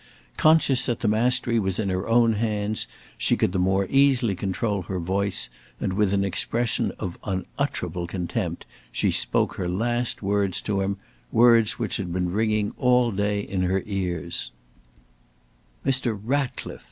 Conscious that the mastery was in her own hands, she could the more easily control her voice, and with an expression of unutterable contempt she spoke her last words to him, words which had been ringing all day in her ears: "Mr. Ratcliffe!